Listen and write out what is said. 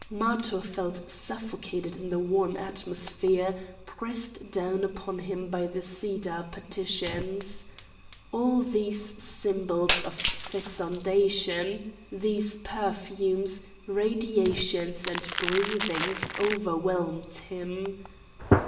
Matho felt suffocated in the warm atmosphere pressed down upon him by the cedar partitions. All these symbols of fecundation, these perfumes, radiations, and breathings overwhelmed him.